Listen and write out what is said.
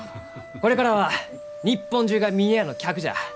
これからは日本中が峰屋の客じゃ。